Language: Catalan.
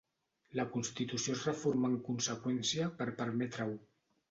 La constitució es reformà en conseqüència per permetre-ho.